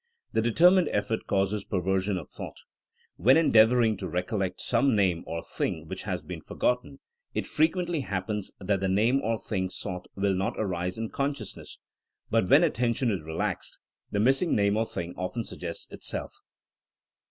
The determined effort causes perversion of thought. When endeavoring to recollect some name or thing which has been forgotten, it frequently happens that the name or thing sought will not arise in consciousness ; but when attention is re laxed, the missing name or thing often suggests itself.